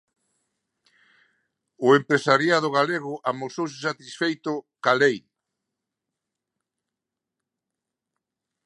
O empresariado galego amosouse satisfeito coa lei.